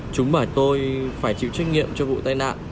chúng bảo tôi phải chịu trách nhiệm cho vụ tai nạn